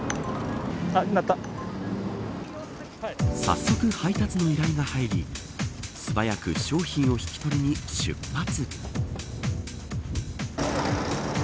早速、配達の依頼が入り素早く商品を引き取りに出発。